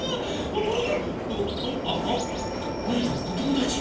おともだち？